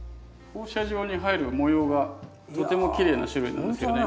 放射状に入る模様がとてもきれいな種類なんですよね。